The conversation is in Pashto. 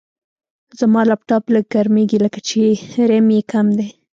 زما لپټاپ لږ ګرمېږي، لکه چې ریم یې کم دی.